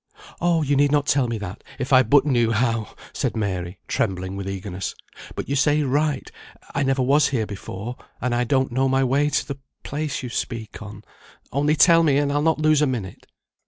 "Oh, you need not tell me that, if I but knew how," said Mary, trembling with eagerness. "But you say right, I never was here before, and I don't know my way to the place you speak on; only tell me, and I'll not lose a minute."